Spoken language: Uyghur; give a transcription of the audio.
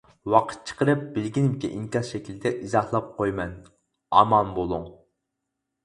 ۋاقىت چىقىرىپ بىلگىنىمچە ئىنكاس شەكلىدە ئىزاھلاپ قويىمەن، ئامان بولۇڭ.